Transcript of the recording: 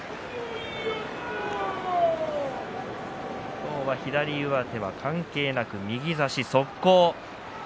今日は左上手は関係なく右差し速攻でした。